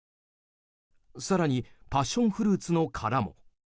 更にパッションフルーツの殻も。